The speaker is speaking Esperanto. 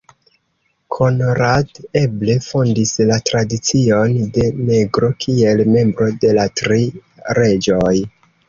Konrad eble fondis la tradicion de negro kiel membro de la Tri Reĝoj.